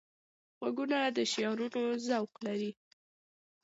غوږونه د شعرونو ذوق لري